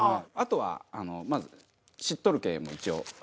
あとはあのまず知っとるケも一応。